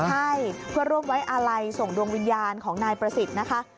ใช่เพื่อร่วมไว้อาลัยส่งดวงวิญญาณของนายประสิทธิ์นะคะ